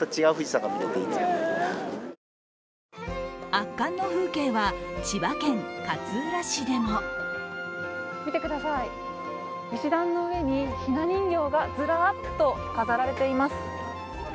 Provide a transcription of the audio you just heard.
圧巻の風景は、千葉県勝浦市でも見てください、石段の上にひな人形がずらっと飾られています。